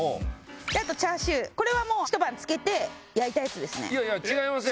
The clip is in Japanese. あとチャーシューこれはもうひと晩漬けて焼いたやつですねいやいや違いますよ